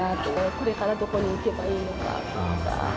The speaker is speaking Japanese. これからどこに行けばいいのか。